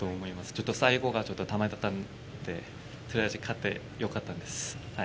ちょっと最後がちょっとだめだったので、とりあえず勝って、よかったです。